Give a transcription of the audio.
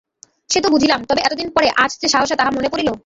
সে তো বুঝিলাম, তবে এতদিন পরে আজ যে সহসা তাহা মনে পড়িল?